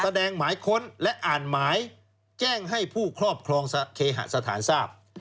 หมายค้นและอ่านหมายแจ้งให้ผู้ครอบครองเคหสถานทราบ